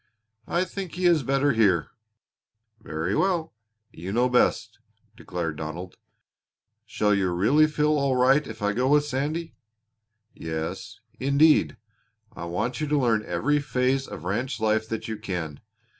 "I think he is better here." "Very well. You know best," declared Donald. "Shall you really feel all right if I go with Sandy?" "Yes, indeed. I want you to learn every phase of ranch life that you can.